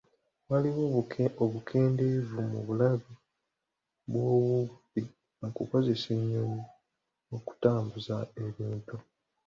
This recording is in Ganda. Waliwo obukendeevu mu bulabe bw'obubbi mu kukozesa ennyonyi okutambuza ebintu,